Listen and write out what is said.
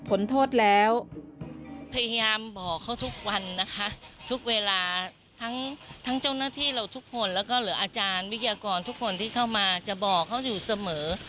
ผลโทษแล้วพยายามบอกเขาทุกวันนะคะทุกเวลาทั้งทั้งเจ้าหน้าที่เราทุกคนแล้วก็หรืออาจารย์วิทยากรทุกคนที่เข้ามาจะบอกเขาอยู่เสมอ